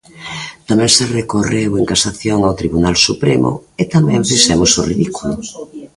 Tamén se recorreu en casación ao Tribunal Supremo e tamén fixemos o ridículo.